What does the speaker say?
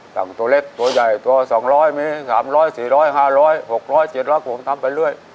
ตัวเล็กตัวใหญ่ตัว๒๐๐เมตร๓๐๐๔๐๐๕๐๐๖๐๐๗๐๐ผมทำไปเรื่อย